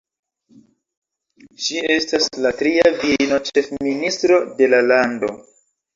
Ŝi estas la tria virino-ĉefministro de la lando.